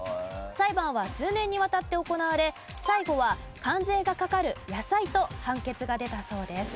裁判は数年にわたって行われ最後は関税がかかる野菜と判決が出たそうです。